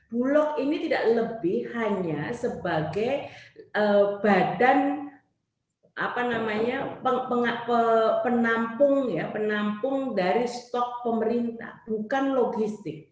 bulog ini tidak lebih hanya sebagai badan penampung dari stok pemerintah bukan logistik